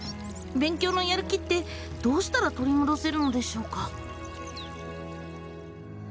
勉強のやる気ってどうしたら取り戻せるのでしょうか？